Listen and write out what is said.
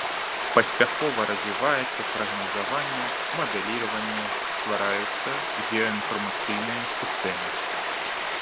Паспяхова развіваецца прагназаванне, мадэліраванне, ствараюцца геаінфармацыйныя сістэмы.